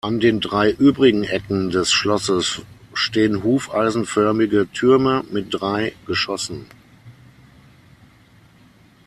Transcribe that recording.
An den drei übrigen Ecken des Schlosses stehen hufeisenförmige Türme mit drei Geschossen.